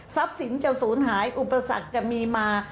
ทรัพย์สินจะสูญหายอุปสรรคจะมีมา